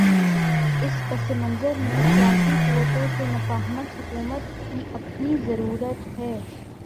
اس پس منظر میں سیاسی قوتوں سے مفاہمت حکومت کی اپنی ضرورت ہے۔